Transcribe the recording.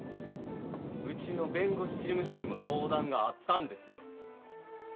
うちの弁護士事務所にも相談があったんですよ。